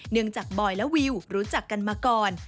จากบอยและวิวรู้จักกันมาก่อน